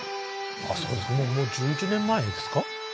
もう１１年前ですか？